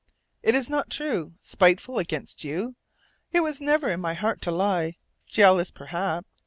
"It is not true! Spiteful against you! It was never in my heart to lie. Jealous, perhaps.